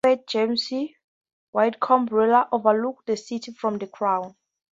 The gravesite of Hoosier poet James Whitcomb Riley overlooks the city from "The Crown".